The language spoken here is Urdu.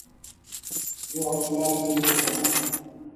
جو اصولا بالکل درست ہونا ۔